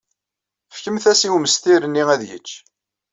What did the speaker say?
Fkemt-as i umestir-nni ad yečč.